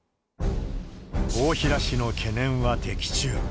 大平氏の懸念は的中。